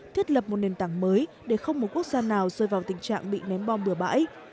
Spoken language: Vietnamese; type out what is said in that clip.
thiết lập một nền tảng mới để không một quốc gia nào rơi vào tình trạng bị ném bom bừa bãi